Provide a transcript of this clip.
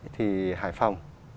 thì hải phòng